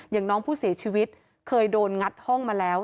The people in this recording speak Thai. อย่างน้องผู้เสียชีวิตเคยโดนงัดห้องมาแล้ว